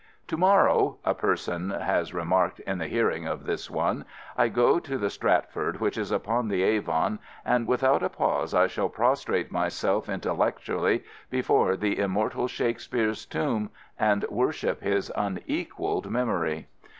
"To morrow," a person has remarked in the hearing of this one, "I go to the Stratford which is upon the Avon, and without a pause I shall prostrate myself intellectually before the immortal Shakespeare's tomb and worship his unequalled memory."